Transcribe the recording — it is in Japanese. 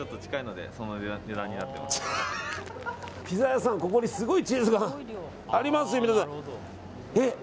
ピザ屋さん、ここにすごいチーズがありますよ。